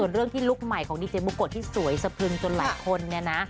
ส่วนเรื่องที่ลูกใหม่ของดิเจมส์บุกรที่สวยสะพึงจนหลายคน